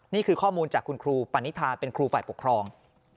นี่คือข้อมูลจากคุณครูปณิธาเป็นครูฝ่ายปกครอง